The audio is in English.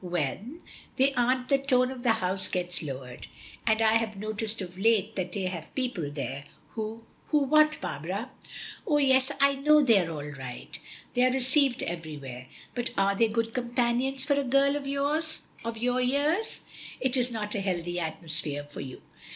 "When they aren't the tone of the house gets lowered. And I have noticed of late that they have people there, who " "Who what, Barbara?" "Oh yes, I know they are all right; they are received everywhere, but are they good companions for a girl of your years? It is not a healthy atmosphere for you.